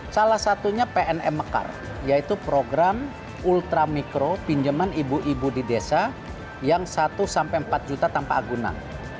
salah satunya pnm mekar yaitu program ultramikro pinjaman ibu ibu di desa yang satu sampai empat juta tanpa agunan